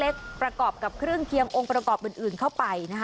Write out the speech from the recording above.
ประกอบกับเครื่องเคียงองค์ประกอบอื่นเข้าไปนะคะ